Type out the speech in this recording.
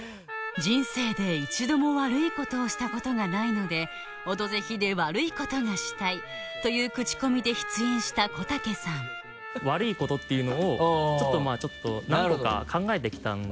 人生で一度も悪いことをしたことがないので「オドぜひ」で悪いことがしたいというクチコミで出演した小竹さん悪いことっていうのをちょっとまぁちょっと何個か考えた来たんで。